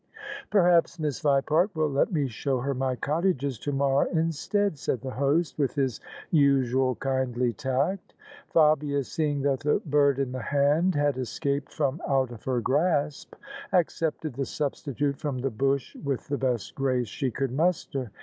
" Perhaps Miss Vipart will let me show her my cottages to morrow instead," said the host, with his usual kindly tact. Fabia, seeing that the bird in the hand had escaped from out of her grasp, accepted the substitute from the bush with the best grace she could muster.